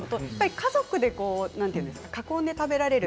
家族で囲んで食べられる。